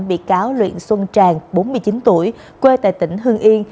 bị cáo luyện xuân tràn bốn mươi chín tuổi quê tại tỉnh hương yên